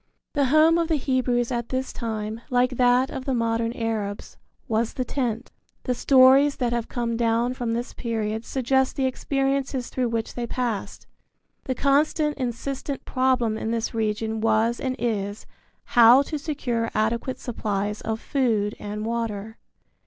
The home of the Hebrews at this time, like that of the modern Arabs, was the tent. The stories that have come down from this period suggest the experiences through which they passed. The constant insistent problem in this region was and is how to secure adequate supplies of food and water.